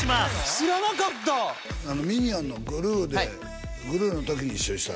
知らなかった「ミニオン」のグルーでグルーの時一緒にしたんよ